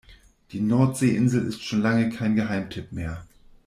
Die Nordseeinsel ist schon lange kein Geheimtipp mehr.